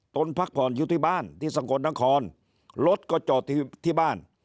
ต้นพักผ่อนอยู่ที่บ้านที่สงกรนางคลรถก็จอดที่บ้าน